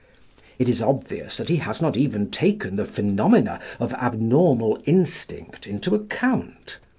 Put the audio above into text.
It is obvious that he has not even taken the phenomena of abnormal instinct into account.